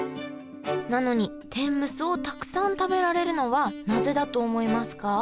なのに天むすをたくさん食べられるのはなぜだと思いますか？